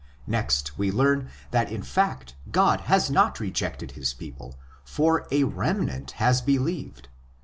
Next we learn that in fact God has not rejected his people, for a remnant has believed (xi.